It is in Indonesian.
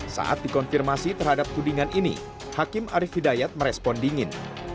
saat dikonfirmasi terhadap tudingan ini hakim arief hidayat merespon dingin